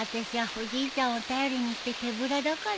おじいちゃんを頼りにして手ぶらだからね。